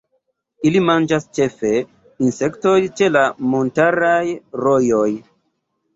Ili manĝas ĉefe insektojn ĉe montaraj rojoj.